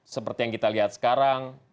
seperti yang kita lihat sekarang